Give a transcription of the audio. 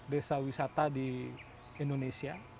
desa wisata di indonesia